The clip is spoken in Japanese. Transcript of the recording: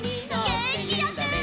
げんきよく！